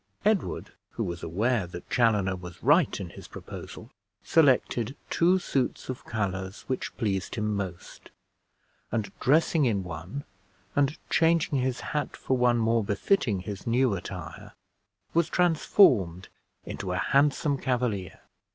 Edward, who was aware that Chaloner was right in his proposal, selected two suits of colors which pleased him most; and dressing in one, and changing his hat for one more befitting his new attire, was transformed into a handsome Cavalier.